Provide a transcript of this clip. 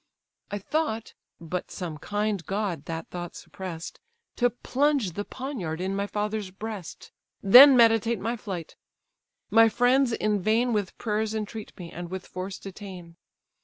I thought (but some kind god that thought suppress'd) To plunge the poniard in my father's breast; Then meditate my flight: my friends in vain With prayers entreat me, and with force detain.